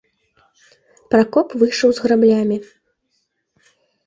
Пракоп выйшаў з граблямі.